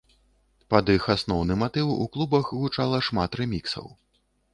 Пад іх асноўны матыў у клубах гучала шмат рэміксаў.